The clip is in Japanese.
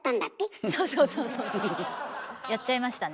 そうそうやっちゃいましたね。